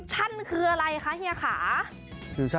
ฟิวชั่นคือบะหมี่ที่ของเราคิดตามแนวที่มันน่าจะเป็นไปได้ของลูกค้า